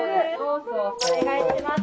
お願いします。